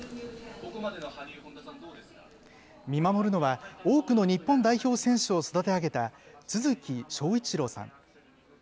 見守るのは、多くの日本代表選手を育て上げた都築章一郎さん。